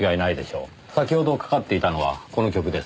先ほどかかっていたのはこの曲です。